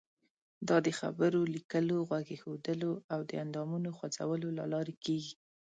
دا د خبرو، لیکلو، غوږ ایښودلو او د اندامونو خوځولو له لارې کیږي.